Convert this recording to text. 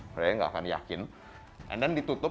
mereka nggak akan yakin and then ditutup